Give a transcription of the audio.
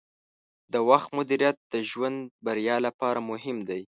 د وخت مدیریت د ژوند بریا لپاره مهم دی.